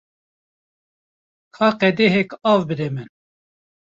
Ka qedehek av bide min.